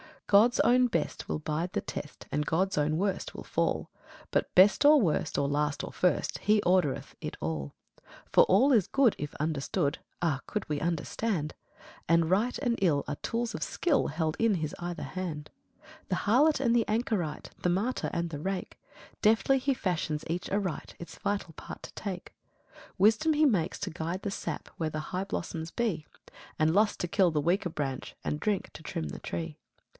God's own best will bide the test, And God's own worst will fall; But, best or worst or last or first, He ordereth it all. 2. For ALL is good, if understood, (Ah, could we understand!) And right and ill are tools of skill Held in His either hand. 3. The harlot and the anchorite, The martyr and the rake, Deftly He fashions each aright, Its vital part to take. 4. Wisdom He makes to guide the sap Where the high blossoms be; And Lust to kill the weaker branch, And Drink to trim the tree.